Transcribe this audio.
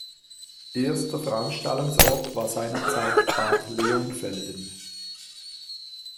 Erster Veranstaltungsort war seinerzeit Bad Leonfelden.